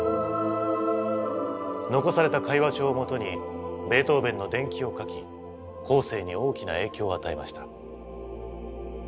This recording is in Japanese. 残された会話帳をもとにベートーヴェンの伝記を書き後世に大きな影響を与えました。